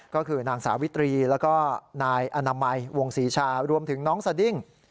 ก็คือนางสาวิตรีแล้วก็นายอนามัยวงศรีชารวมถึงน้องสดิ้ง